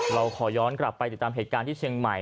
เราขอย้อนกลับไปติดตามเหตุการณ์ที่เชียงใหม่